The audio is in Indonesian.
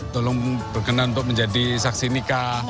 tolong berkenan untuk menjadi saksi nikah